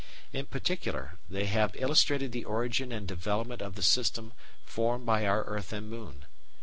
In particular, they have illustrated the origin and development of the system formed by our earth and moon.